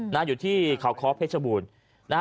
น่าอยู่ที่ข่าวเพชรบูรณ์